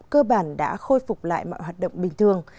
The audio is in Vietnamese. cơ bản đã khôi phục lại mọi hoạt động bình thường